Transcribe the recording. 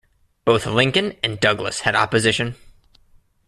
Both Lincoln and Douglas had opposition.